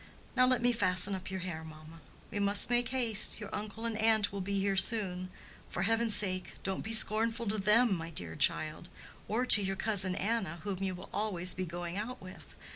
Now let me fasten up your hair, mamma." "We must make haste; your uncle and aunt will be here soon. For heaven's sake, don't be scornful to them, my dear child! or to your cousin Anna, whom you will always be going out with.